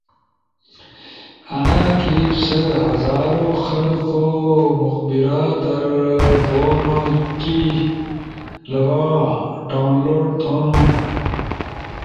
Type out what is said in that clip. آنا کپلس پزاروں خلخو مقبرہ در بونو کی لبا ڈاؤن لوڈ تھونو۔